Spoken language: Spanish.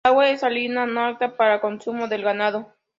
El agua es salina, no apta para consumo del ganado.